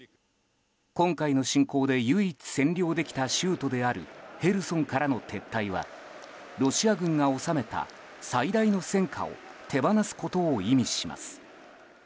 今回の侵攻で唯一占領できた州都であるヘルソンからの撤退はロシア軍が収めた最大の戦果を手放すことを意味します。